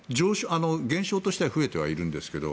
現象としては増えてはいるんですけど。